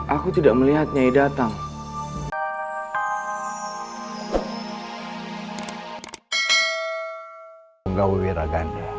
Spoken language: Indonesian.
aku tidak melihat nyai datang